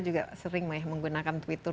juga sering menggunakan twitter